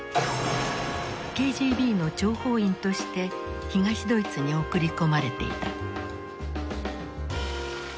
ＫＧＢの諜報員として東ドイツに送り込まれていた。